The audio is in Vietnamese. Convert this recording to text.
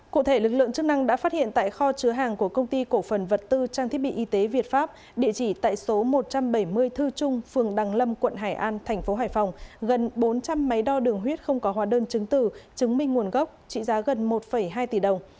cụ thể lực lượng chức năng đã phát hiện tại kho chứa hàng của công ty cổ phần vật tư trang thiết bị y tế việt pháp địa chỉ tại số một trăm bảy mươi thư trung phường đăng lâm quận hải an thành phố hải phòng gần bốn trăm linh máy đo đường huyết không có hóa đơn chứng tử chứng minh nguồn gốc trị giá gần một hai tỷ đồng